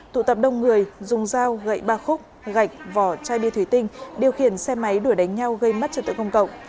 tụ tập đông người dùng dao gậy ba khúc gạch vỏ chai bia thủy tinh điều khiển xe máy đuổi đánh nhau gây mất trật tự công cộng